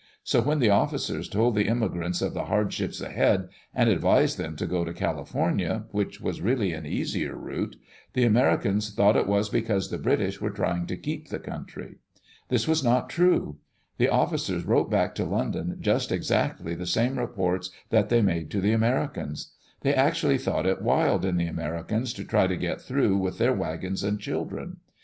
So when the officers told the immigrants of the hardships ahead, and advised them to go to California, which was really an easier route, the Americans thought it was because the British were trying to keep the country. This was not true. [The officers wrote back to London just exactly the same reports that they made to the Ameri cans. They actually thought it wild in the Americans to try to get through with their wagons and children.